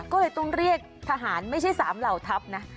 ก็เลยต้องเรียกทหารไม่ใช่๓เหล่าทัพนะ